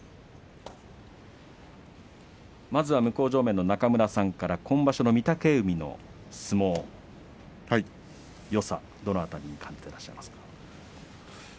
まずは向正面の中村さんから今場所の御嶽海の相撲よさ、どの辺りに感じていますか。